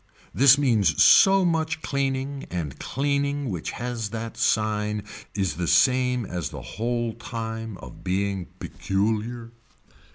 This means so much cleaning and cleaning which has that sign is the same as the whole time of being peculiar.